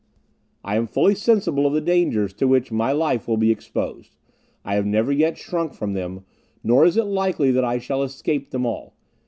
"I am fully sensible of the dangers to which my life will be exposed. I have never yet shrunk from them, nor is it likely that I shall escape them all.